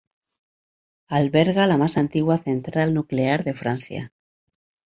Alberga la más antigua central nuclear de Francia.